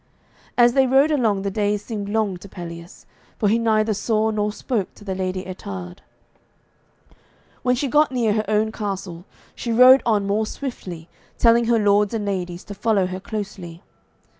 As they rode along the days seemed long to Pelleas, for he neither saw nor spoke to the Lady Ettarde. When she got near her own castle, she rode on more swiftly, telling her lords and ladies to follow her closely.